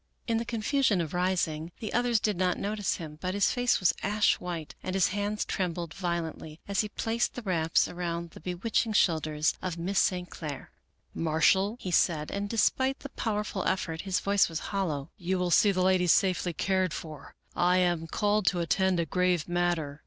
In the confusion of rising the others did not notice him, but his face was ash white and his hands trembled violently as he placed the wraps around the bewitching shoulders of Miss St. Clair. " Marshall," he said, and despite the powerful effort his voice was hollow, " you will see the ladies safely cared for, I am called to attend a grave matter."